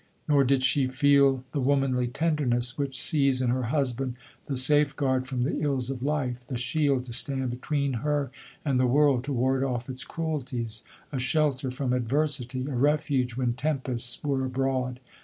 nor did she feel the womanly tenderness, which sees in her husband the safeguard from the ills of life, the shield to stand between her and the world, to ward off its cruelties:, a shelter from adversity, a refuge when tempests were abroad.